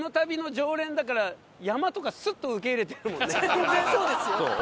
全然そうですよ。